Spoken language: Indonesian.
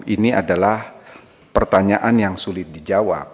ini adalah pertanyaan yang sulit dijawab